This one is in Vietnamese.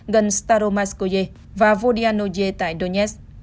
gần staromaskoye và vodyanoye tại donetsk